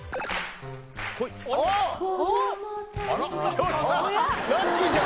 よっしゃ！